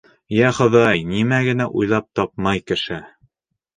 — Йә, Хоҙай, нимә генә уйлап тапмай кеше.